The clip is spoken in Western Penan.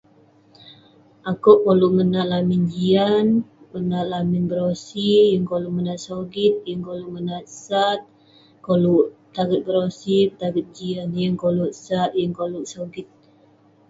Akouk koluk menat lamin jian, lamin berosi, yeng koluk menat sogit, yeng koluk menat sat. Koluk petaget berosi, petaget jian, yeng koluk sat yeng koluk sogit.